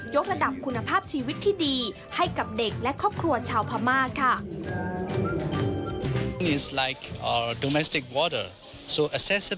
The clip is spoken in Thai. กระดับคุณภาพชีวิตที่ดีให้กับเด็กและครอบครัวชาวพม่าค่ะ